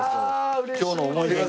今日の思い出に。